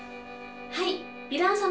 はいヴィラン様